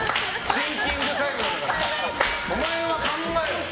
シンキングタイムなんだから。